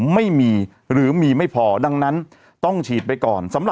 ไม่มีหรือมีไม่พอดังนั้นต้องฉีดไปก่อนสำหรับ